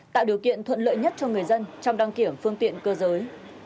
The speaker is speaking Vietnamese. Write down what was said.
tạo điều kiện thuận lợi nhất cho người dân trong đăng kiểm phương tiện cơ giới